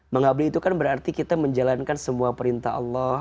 mengabdi itu kan berarti kita menjalankan semua perintah allah